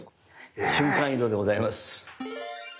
瞬間移動でございます。